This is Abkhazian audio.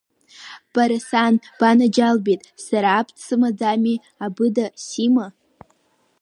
Бара, сан, банаџьалбеит, сара аб дсымаӡами, абыда сима?